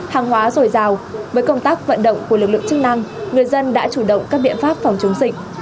hàng hóa dồi dào với công tác vận động của lực lượng chức năng người dân đã chủ động các biện pháp phòng chống dịch